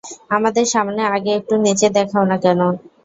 আমাদের সামনে আগে একটু নেচে দেখাও না কেন?